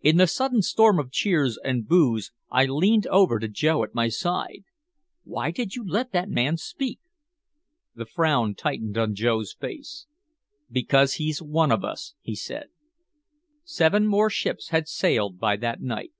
In the sudden storm of cheers and "booh's" I leaned over to Joe at my side: "Why did you let that man speak?" The frown tightened on Joe's face. "Because he's one of us," he said. Seven more ships had sailed by that night.